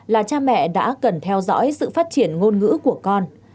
là cha mẹ đã cần theo dõi sự phát triển ngôn ngữ của con